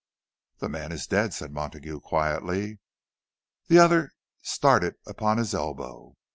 "The man is dead," said Montague, quietly. The other started upon his elbow.